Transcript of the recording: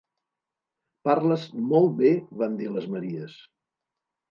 Parles molt bé van dir les Maries.